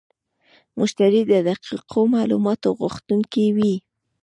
مشتری د دقیقو معلوماتو غوښتونکی وي.